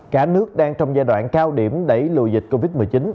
cả nước đang trong giai đoạn cao điểm đẩy lùi dịch covid một mươi chín